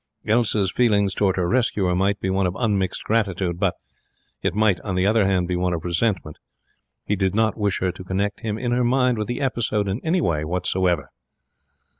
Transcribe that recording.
Elsa's feelings towards her rescuer might be one of unmixed gratitude; but it might, on the other hand, be one of resentment. He did not wish her to connect him in her mind with the episode in any way whatsoever.